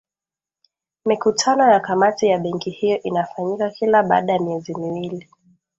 mikutano ya kamati ya benki hiyo inafanyika kila baada ya miezi miwili